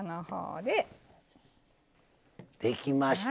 できました。